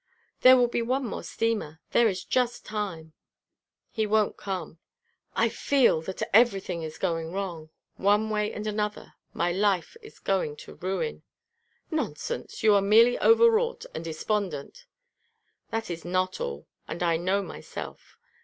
"There will be one more steamer. There is just time." "He won't come. I feel that everything is going wrong. One way and another, my life is going to ruin " "Nonsense, you are merely overwrought and despondent " "That is not all. And I know myself.